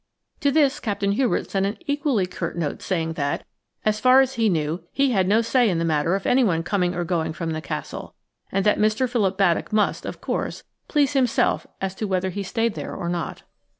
To this Captain Hubert sent an equally curt note saying that, as far as he knew, he had no say in the matter of anyone coming or going from the Castle, and that Mr. Philip Baddock must, of course, please himself as to whether he stayed there or not.